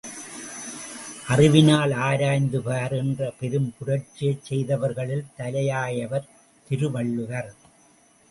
அறிவினால் ஆராய்ந்து பார் என்ற பெரும் புரட்சியைச் செய்தவர்களில் தலையாயவர் திருவள்ளுவர்.